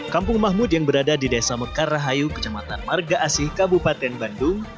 kampung mahmud yang berada di desa mekar rahayu kecamatan marga asih kabupaten bandung